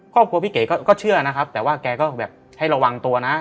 ครอบครัวพี่เก๋ก็เชื่อนะครับแต่ว่าแกก็แบบให้ระวังตัวนะ